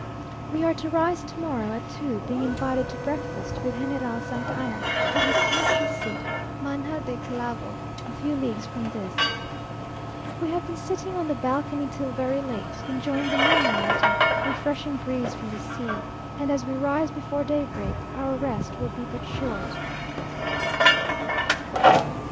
We are to rise to morrow at two, being invited to breakfast with General Santa Anna, at his country seat Manga de Clavo, a few leagues from this. We have been sitting on the balcony till very late, enjoying the moonlight and refreshing breeze from the sea, and as we rise before daybreak, our rest will be but short.